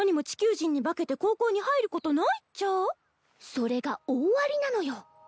それが大ありなのよ。